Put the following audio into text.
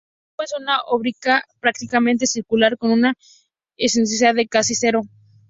Asimismo, es una órbita prácticamente circular, con una excentricidad de casi cero.